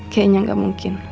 kayaknya gak mungkin